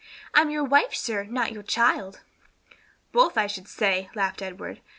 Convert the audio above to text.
"I'm your wife, sir, not your child." "Both, I should say," laughed Edward.